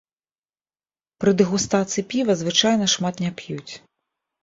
Пры дэгустацыі піва звычайна шмат не п'юць.